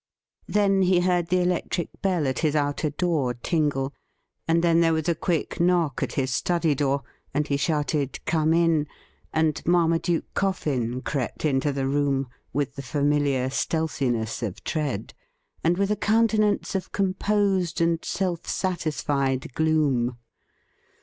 Then he heard the electric bell at his outer door tingle, and then there was a quick knock at his study deor, and he shouted ' Come in,' and Marmaduke Coffin crept into the room with the familiar stealthiness of tread, and with a countenance of composed and self satisfied gloom.